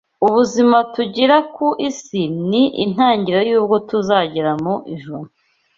Ubuzima tugira ku isi ni intangiriro y’ubwo tuzagira mu ijuru;